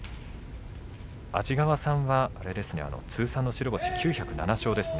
安治川さんは通算の白星９０７勝ですね。